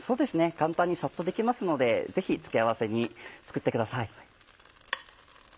簡単にサッとできますのでぜひ付け合わせに作ってください。